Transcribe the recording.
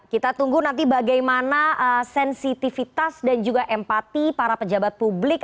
kita tunggu nanti bagaimana sensitivitas dan juga empati para pejabat publik